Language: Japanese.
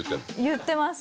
言ってます。